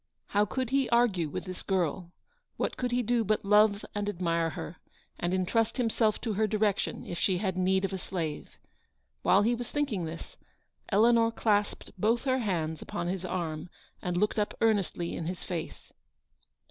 How could he argue with this girl ? What could he do but love and admire her, and entrust himself to her direction if she had need of a slave. While he was thinking this, Eleanor clasped both her hands upon his arm and looked up earnestly in his face.